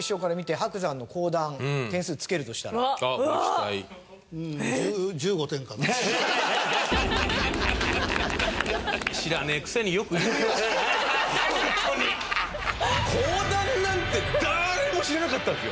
講談なんて誰も知らなかったんですよ。